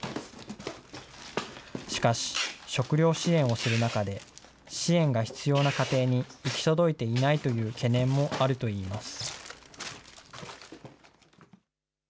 しかし、食料支援をする中で、支援が必要な家庭に行き届いていないという懸念もあるといいます。